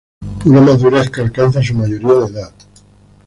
Una madurez que alcanza su mayoría de edad.